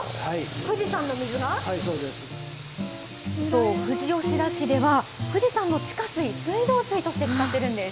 そう、富士吉田市では、富士山の地下水、水道水として使ってるんです。